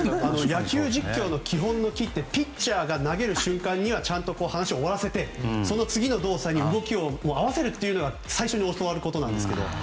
野球実況の基本のきってピッチャーが投げる瞬間にはちゃんと話を終わらせてその次の動作に動きを合わせるというのが最初に教わることなんですけど。